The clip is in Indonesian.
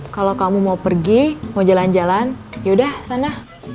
kalau kamu mau pergi mau jalan jalan yaudah sana